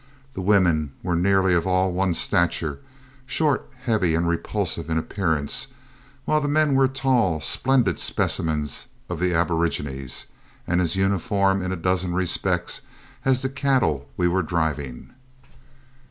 The women were nearly all of one stature, short, heavy, and repulsive in appearance, while the men were tall, splendid specimens of the aborigines, and as uniform in a dozen respects as the cattle we were driving.